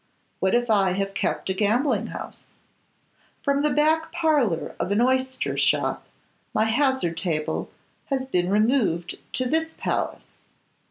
What if I have kept a gambling house? From the back parlour of an oyster shop my hazard table has been removed to this palace.